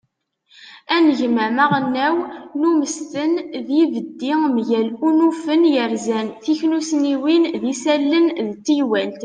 anegmam aɣelnaw n umesten d yibeddi mgal unufen yerzan tiknussniwin n yisallen d teywalt